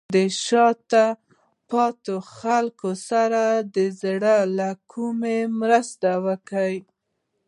د شاته پاتې خلکو سره د زړه له کومې مرسته وکړئ.